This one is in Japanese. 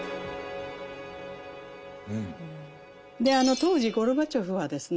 当時ゴルバチョフはですね